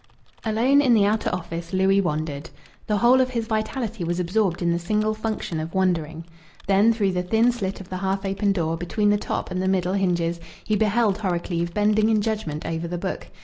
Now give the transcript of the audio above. Alone in the outer office Louis wondered. The whole of his vitality was absorbed in the single function of wondering. Then through the thin slit of the half open door between the top and the middle hinges, he beheld Horrocleave bending in judgment over the book.